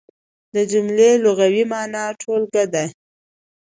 د جملې لغوي مانا ټولګه ده.